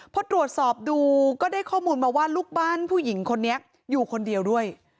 พอตรวจสอบดูก็ได้ข้อมูลมาว่าลูกบ้านผู้หญิงคนนี้อยู่คนเดียวด้วย